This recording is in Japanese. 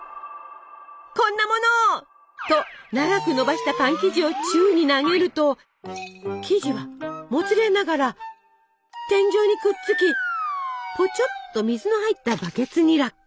「こんなもの！」と長くのばしたパン生地を宙に投げると生地はもつれながら天井にくっつき「ぽちょっ」っと水の入ったバケツに落下。